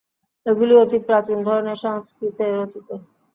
এগুলি অতি প্রাচীন ধরনের সংস্কৃতে রচিত।